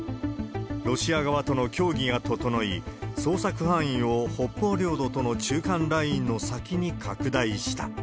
ロシア側との協議が整い、捜索範囲を北方領土との中間ラインの先に拡大した。